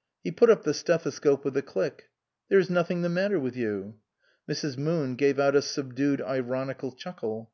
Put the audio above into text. " He put up the stethoscope with a click. " There is nothing the matter with you." Mrs. Moon gave out a subdued ironical chuckle.